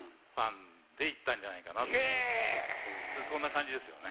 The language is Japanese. そんな感じですよね